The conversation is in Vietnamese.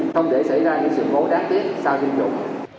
không để xảy ra sự tố đáng tiếc sau tiêm chủng